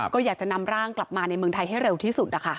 ก็อยากจะนำร่างกลับมาในเมืองไทยให้เร็วที่สุดนะคะ